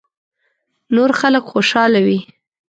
نور خلک خوشاله وي .